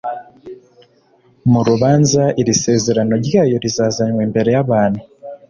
Mu rubanza iri sezerano ryayo rizazanwa imbere yabantu